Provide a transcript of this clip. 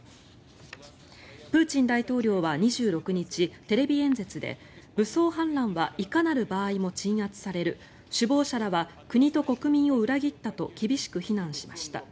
プーチン大統領は２６日テレビ演説で武装反乱はいかなる場合も鎮圧される首謀者らは国と国民を裏切ったと厳しく非難しました。